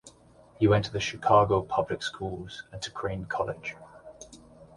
He went to the Chicago public schools and to Crane College.